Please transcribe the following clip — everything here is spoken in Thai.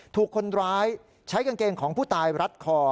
ถูกคนร้ายใช้กางเกงของผู้ตายรัดคอ